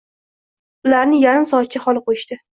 ularni yarim soatcha xoli qoʼyishdi.